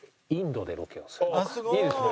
あっいいですね。